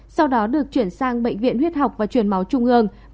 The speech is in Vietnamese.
sau đó được chuyển sang bệnh viện huyết học và truyền máu trung ương